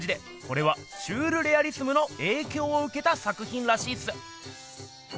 これはシュールレアリスムのえいきょうをうけた作品らしいっす。